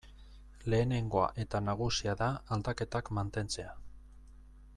Lehenengoa eta nagusia da aldaketak mantentzea.